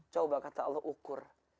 coba kata allah ukur